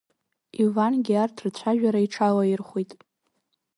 Ивангьы арҭ рцәажәара иҽалаирхәит.